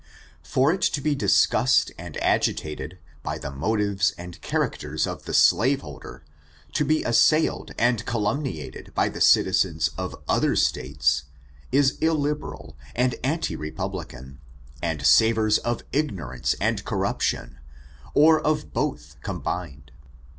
For it to be discussed and a^tated, and the motives and characters of the slaveholder to be assailed and calumniated by the citizens of other States is illiberal and anti republican, and savours of ignorance and corruption, or of both combined.